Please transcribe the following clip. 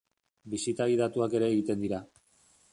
Bisita gidatuak ere egiten dira.